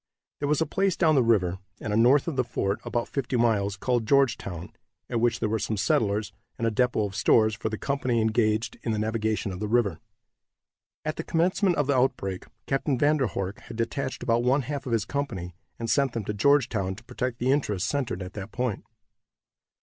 There was a place down the river, and north of the fort, about fifty miles, called Georgetown, at which there were some settlers, and a depot of stores for the company engaged in the navigation of the river. At the commencement of the outbreak Captain Van der Horck had detached about one half of his company, and sent them to Georgetown, to protect the interests centered at that point.